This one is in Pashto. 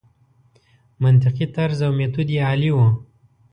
منطقي طرز او میتود یې عالي وي.